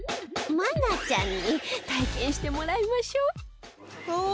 愛菜ちゃんに体験してもらいましょうおおー！